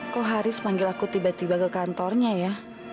kok haris manggil aku tiba tiba ke kantornya ya